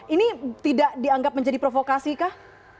ini tidak dianggap menjadi provokasi kah